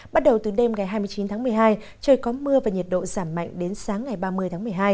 bắt đầu từ đêm ngày hai mươi chín tháng một mươi hai trời có mưa và nhiệt độ giảm mạnh đến sáng ngày ba mươi tháng một mươi hai